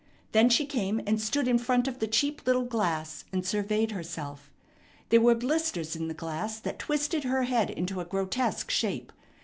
Then she came and stood in front of the cheap little glass, and surveyed herself. There were blisters in the glass that twisted her head into a grotesque shape.